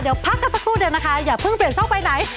เดี๋ยวพักกันสักครู่เดียวนะคะอย่าเพิ่งเปลี่ยนช่องไปไหน